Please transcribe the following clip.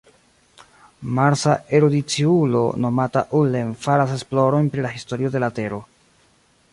Marsa erudiciulo nomata Ullen faras esplorojn pri la historio de la Tero.